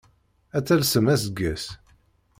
Ad talsem aseggas!